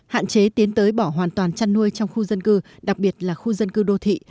hạn chế tiến tới bỏ hoàn toàn chăn nuôi trong khu dân cư đặc biệt là khu dân cư đô thị